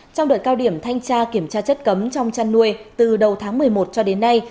trong đợt cao điểm thanh tra kiểm tra chất cấm trong chăn nuôi từ đầu tháng một mươi một cho đến nay